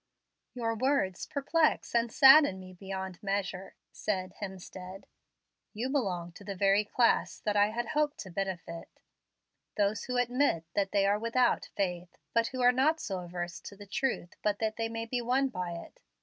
"Your words perplex and sadden me beyond measure," said Hemstead. "You belong to the very class that I had hoped to benefit, those who admit that they are without faith, but who are not so averse to the truth but that they may be won by it.